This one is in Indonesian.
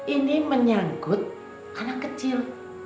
ini menyangkut anak kecil